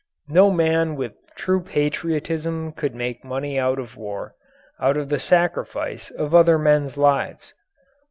No man with true patriotism could make money out of war out of the sacrifice of other men's lives.